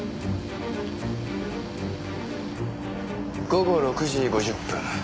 午後６時５０分